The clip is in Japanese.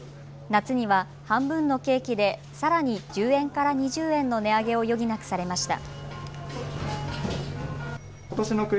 夏には半分のケーキでさらに１０円から２０円の値上げを余儀なくされました。